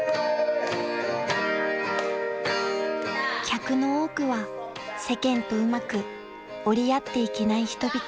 ［客の多くは世間とうまく折り合っていけない人々］